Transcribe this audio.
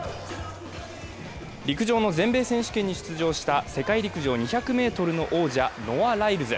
陸上の全米選手権に出場した世界陸上２００ｍの王者、ノア・ライルズ。